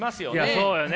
そうやね。